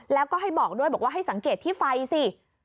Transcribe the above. แล้วก็ให้บอกด้วยบอกว่าให้สังเกตที่ไฟสิ